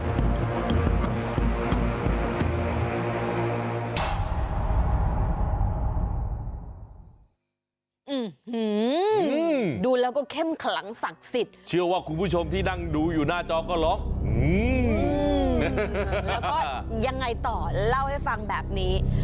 อืมดูแล้วก็เข้มขลังศักดิ์สิทธิ์เชื่อว่าคุณผู้ชมที่นั่งดูอยู่หน้าจอก็ร้องแล้วก็ยังไงต่อเล่าให้ฟังแบบนี้